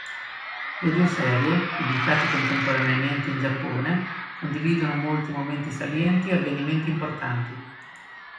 Le due serie, pubblicate contemporaneamente in Giappone, condividono molti momenti salienti e avvenimenti importanti.